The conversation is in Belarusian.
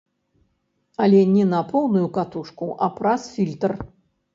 Але не на поўную катушку, а праз фільтр.